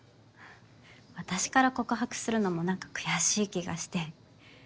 私から告白するのもなんか悔しい気がして。